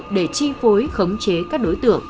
để chi phối khống chế các đối tượng